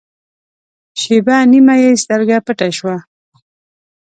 شېبه نیمه یې سترګه پټه شوه.